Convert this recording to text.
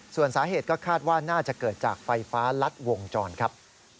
ส่วนสาเหตุก็คาดว่าน่าจะเกิดจากไฟฟ้ารัดวงจรครับ